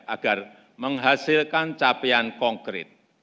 agar menghasilkan capaian konkret